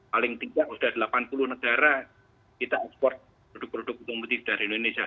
paling tidak sudah delapan puluh negara kita ekspor produk produk otomotif dari indonesia